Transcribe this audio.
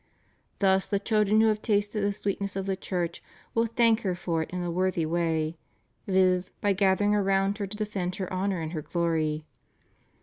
Thus the children who have tasted the sweetness of the Church will thank her for it in a worthy way, viz., by gathering around her to defend her honor and her glory.